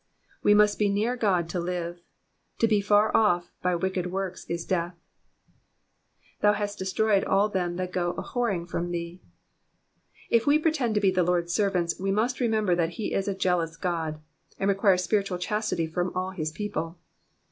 ''^ We must be near God to live ; to be far off by wicked works is death. 77/oi* hast destroyed all them that go a whoring from thee.'*'' H we pretend to be the Lord's ser vants, we must remember that he is a jealous God, and requires spiritual chastity from all his people.